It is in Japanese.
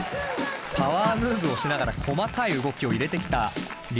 パワームーブをしながら細かい動きを入れてきたＬＩＬ’ＢＯＭ。